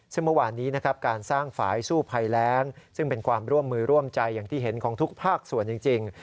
ซึ่งเมื่อวานนี้นะครับการสร้างฝ่ายสู้ภัยแรงซึ่งเป็นความร่วมมือร่วมใจอย่างที่เห็นของทุกภาคส่วนจริง